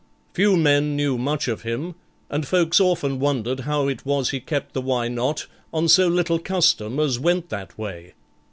Few men knew much of him, and folks often wondered how it was he kept the Why Not? on so little custom as went that way.